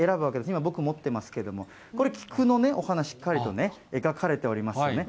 今、僕、持ってますけれども、これ、菊のお花、しっかりと描かれておりますね。